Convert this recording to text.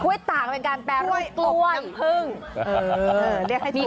กล้วยตากเป็นการแปลรูปกล้วยออกน้ำผึ้งเรียกให้ถูก